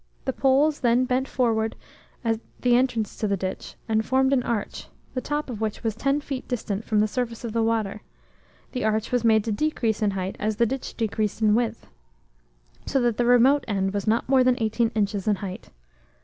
The poles then bent forward at the entrance to the ditch, and formed an arch, the top of which was tea feet distant from the surface of the water; the arch was made to decrease in height as the ditch decreased in width, so that the remote end was not more than eighteen inches in height.